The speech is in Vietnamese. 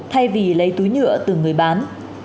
thay vì lấy túi nhựa từ người bán